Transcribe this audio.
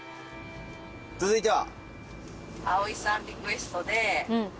続いては？